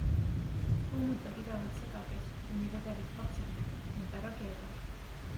Kuumuta pidevalt segades, kuni vedelik pakseneb, ent ära keeda.